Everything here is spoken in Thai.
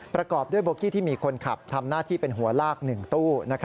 ประกอบด้วยโบกี้ที่มีคนขับทำหน้าที่เป็นหัวลาก๑ตู้